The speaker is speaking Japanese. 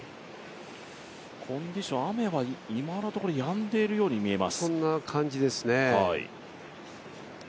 コンディション、雨は今のところやんでいるように見えます。